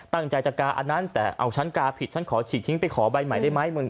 ตั้งใจจะกาอันนั้นแต่เอาฉันกาผิดฉันขอฉีกทิ้งไปขอใบใหม่ได้ไหมมึง